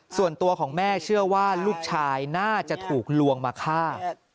ส่วนตัวของแม่เชื่อว่าลูกชายน่าจะถูกลวงมาฆ่า